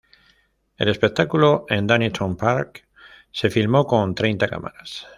El espectáculo en Donington Park se filmó con treinta cámaras.